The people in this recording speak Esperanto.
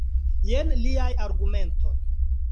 Jen liaj argumentoj.